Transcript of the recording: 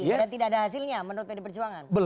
dan tidak ada hasilnya menurut pd perjuangan